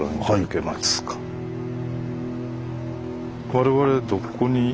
我々どこに。